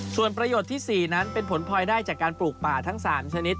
ส่วนประโยชน์ที่๔นั้นเป็นผลพลอยได้จากการปลูกป่าทั้ง๓ชนิด